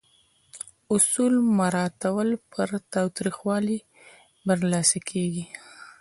اصول مراعاتول پر تاوتریخوالي برلاسي کیږي.